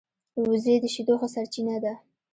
وزې د شیدو ښه سرچینه ده